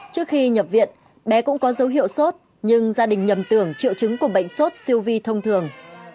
trước khi nhập viện bé cũng có dấu hiệu sốt nhưng gia đình nhầm tưởng triệu chứng của bệnh sốt siêu vi thông thường